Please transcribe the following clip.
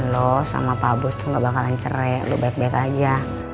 lo sama pak bus tuh gak bakalan cerai lo baik baik aja